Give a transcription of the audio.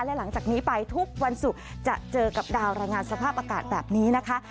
และหลังจากนี้ไปทุกวันศุกร์จะเจอกับดาวรายงานสภาพอากาศแบบนี้นะคะ